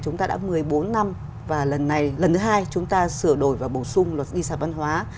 chúng ta đã một mươi bốn năm và lần này lần thứ hai chúng ta sửa đổi và bổ sung luật di sản văn hóa